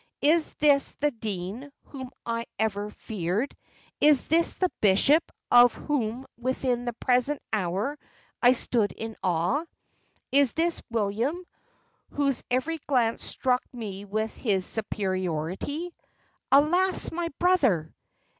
"Is this the dean, whom I ever feared? Is this the bishop, of whom within the present hour I stood in awe? Is this William, whose every glance struck me with his superiority? Alas, my brother!